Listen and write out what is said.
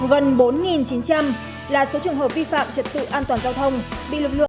gần bốn chín trăm linh là số trường hợp vi phạm trật tự an toàn giao thông bị lực lượng